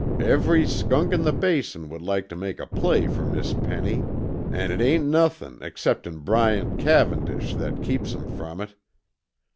Every skunk in the Basin would like to make a play fer Miss Penny, an' it ain't nothin' exceptin' Bryant Cavendish that keeps 'em from it.